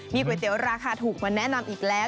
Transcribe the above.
มีก๋วยเตี๋ยวราคาถูกมาแนะนำอีกแล้ว